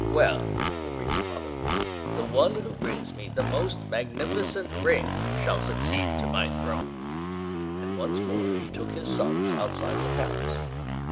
"Well," agreed the father, "the one who brings me the most magnificent ring shall succeed to my throne," and once more he took his sons outside the Palace.